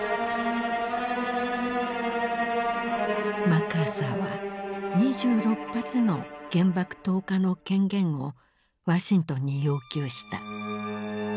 マッカーサーは２６発の原爆投下の権限をワシントンに要求した。